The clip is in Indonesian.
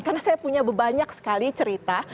karena saya punya banyak sekali cerita